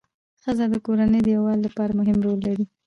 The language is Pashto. ښځه د کورنۍ د یووالي لپاره مهم رول لري